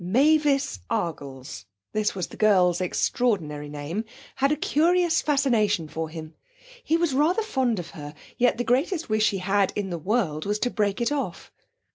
Mavis Argles this was the girl's extraordinary name had a curious fascination for him. He was rather fond of her, yet the greatest wish he had in the world was to break it off.